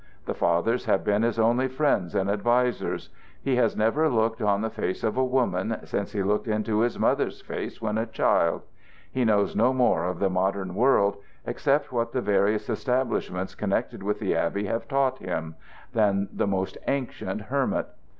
The fathers have been his only friends and advisers. He has never looked on the face of a woman since he looked into his mother's when a child. He knows no more of the modern world except what the various establishments connected with the abbey have taught him than the most ancient hermit.